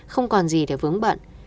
không còn gì để vướng bận